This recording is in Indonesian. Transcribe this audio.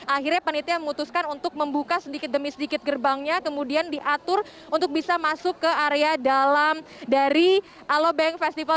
akhirnya penitia memutuskan untuk membuka sedikit demi sedikit gerbangnya kemudian diatur untuk bisa masuk ke area dalam dari alobank festival dua ribu dua puluh dua